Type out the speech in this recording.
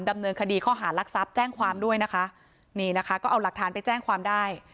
ดำเนินคดีข้อหารักทรัพย์แจ้งความด้วยนะคะนี่นะคะก็เอาหลักฐานไปแจ้งความได้